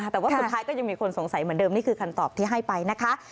แต่ว่าสุดท้ายก็ยังมีคนสงสัยเหมือนเดิมนี่คือคำตอบที่ให้ไปนะคะ